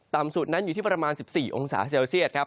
สุดนั้นอยู่ที่ประมาณ๑๔องศาเซลเซียตครับ